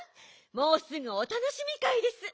もうすぐおたのしみかいです。